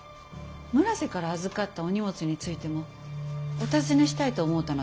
村瀬から預かったお荷物についてもお尋ねしたいと思うたのです。